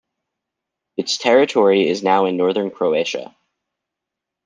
Its territory is now in northern Croatia.